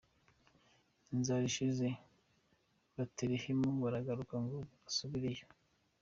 Inzara ishize i Betelehemu, barahaguruka ngo basubiriyeyo.